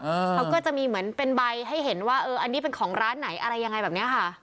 เขาก็จะมีเหมือนเป็นใบให้เห็นว่าเอออันนี้เป็นของร้านไหนอะไรยังไงแบบเนี้ยค่ะ